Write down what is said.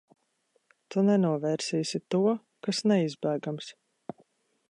Tu nenovērsīsi to, kas neizbēgams.